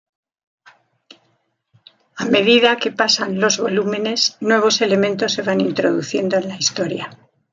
A medida que pasan los volúmenes nuevos elementos se van introduciendo en la historia.